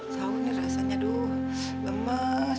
saunya rasanya aduh lemes